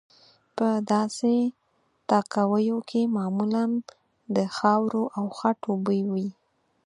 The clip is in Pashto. په داسې تاکاویو کې معمولا د خاورو او خټو بوی وي.